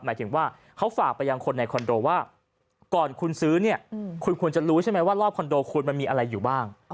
หมายถึงว่าเขาฝากไปยังคนในคอนโดว่าก่อนคุณซื้อเนี่ยคุณควรจะรู้ใช่ไหมว่ารอบคอนโดคุณมันมีอะไรอยู่บ้าง